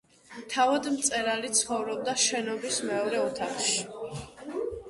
თავად მწერალი ცხოვრობდა შენობის მეორე ოთახში.